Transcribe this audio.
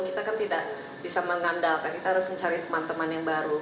kita kan tidak bisa mengandalkan kita harus mencari teman teman yang baru